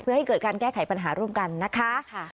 เพื่อให้เกิดการแก้ไขปัญหาร่วมกันนะคะ